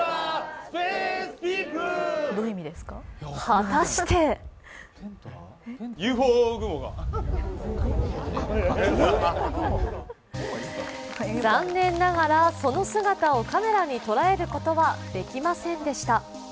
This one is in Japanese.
果たして残念ながら、その姿をカメラに捉えることはできませんでした。